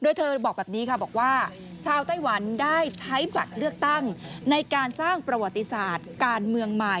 โดยเธอบอกแบบนี้ค่ะบอกว่าชาวไต้หวันได้ใช้บัตรเลือกตั้งในการสร้างประวัติศาสตร์การเมืองใหม่